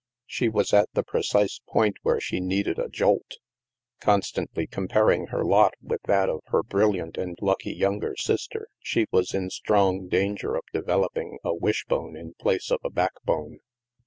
She was at the precise point where she needed a jolt. Constantly comparing her lot with that of her brilliant and lucky younger sister, she was in strong danger of developing a wishbone in place of a backbone.